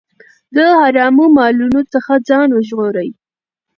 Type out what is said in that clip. د حرامو مالونو څخه ځان وژغورئ.